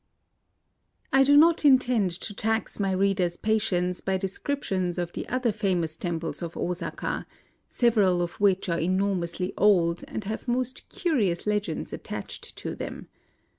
I do not intend to tax my reader's patience by descriptions of the other famous temples of Osaka, — several of which are enormously old, and have most curious legends attached to them.